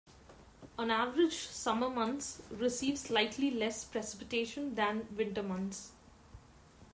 On average, summer months receive slightly less precipitation than winter months.